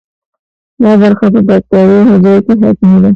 دا برخه په باکتریايي حجره کې حتمي ده.